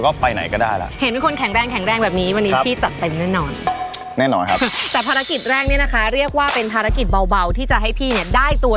ไม่ค่อยเหนื่อยเท่าไรครับ